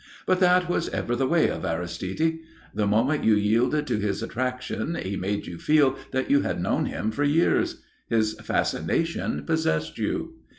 But that was ever the way of Aristide. The moment you yielded to his attraction he made you feel that you had known him for years. His fascination possessed you.